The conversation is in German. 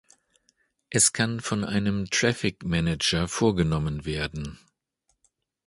Es kann von einem Traffic Manager vorgenommen werden.